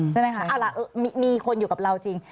ใช่ไหมคะเอาล่ะมีคนอยู่กับเราจริง